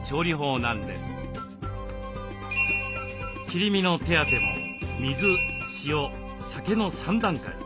切り身の手当ても水塩酒の３段階。